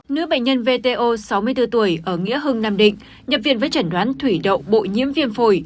nữ bệnh nhân vto sáu mươi bốn tuổi ở nghĩa hưng nam định nhập viện với chẩn đoán thủy đậu bội nhiễm viêm phổi